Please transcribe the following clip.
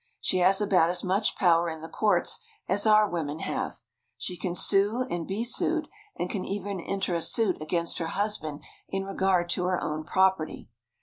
She has about as much power in the courts as our women have. She can sue and be sued and can even enter a suit against her husband in regard to her own property.